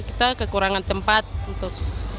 kita kekurangan tempat untuk